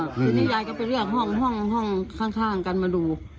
ทีนี้ยายก็ไปเรียกห้องข้างกันมาดู